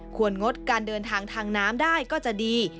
งดการเดินทางทางน้ำได้ก็จะดี